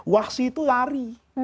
wahsy itu lari